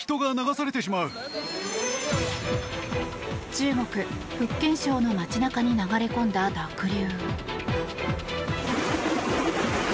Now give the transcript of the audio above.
中国・福建省の街中に流れ込んだ濁流。